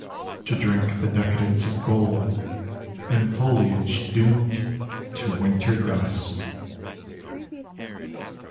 To drink the decadence of gold in fohage doomed to winter dust.